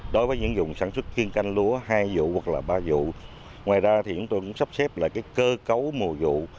đối với những vùng sản xuất kiên canh lúa hai vụ hoặc là ba vụ ngoài ra thì chúng tôi cũng sắp xếp lại cơ cấu mùa vụ